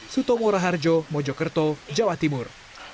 suto moraharjo mojokerto jawa timur